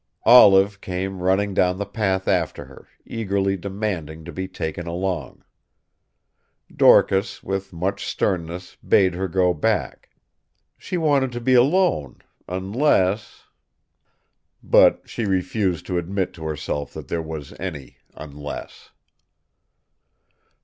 Olive came running down the path after her, eagerly demanding to be taken along. Dorcas with much sternness bade her go back. She wanted to be alone, unless But she refused to admit to herself that there was any "unless."